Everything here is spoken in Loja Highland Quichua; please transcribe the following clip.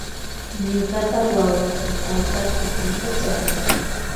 Ñuka wawa charin tawka kipita.